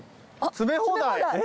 詰め放題。